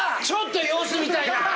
ちょっと様子見たいな。